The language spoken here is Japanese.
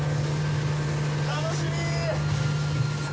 楽しみ！